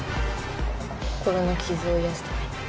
心の傷を癒やすために。